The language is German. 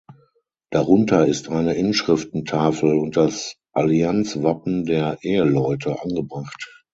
Darunter ist eine Inschriftentafel und das Allianzwappen der Eheleute angebracht.